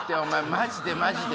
マジでマジで。